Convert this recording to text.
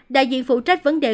đại diện phụ trách vấn đề